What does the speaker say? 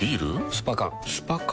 スパ缶スパ缶？